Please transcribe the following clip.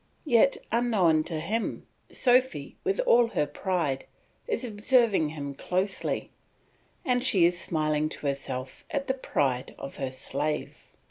Yet unknown to him, Sophy, with all her pride, is observing him closely, and she is smiling to herself at the pride of her slave.